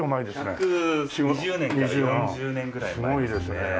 １２０年から１４０年ぐらい前ですね。